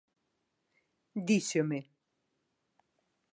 Díxome: